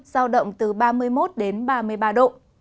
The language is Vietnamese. giao động từ ba mươi một đến ba mươi ba độ